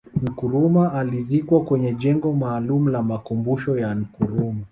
Nkrumah alizikwa kwenye jengo maalumu la makumbusho ya Nkrumah